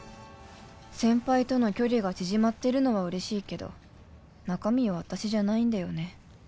先輩との距離が縮まってるのは嬉しいけど中身は私じゃないんだよね